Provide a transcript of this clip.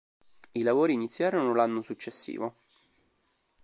I lavori iniziarono l'anno successivo.